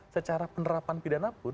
secara penerapan pidana pun